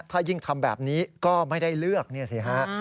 ถ้ายิ่งทำแบบนี้ก็ไม่ได้เลือกเนี่ยสิฮะ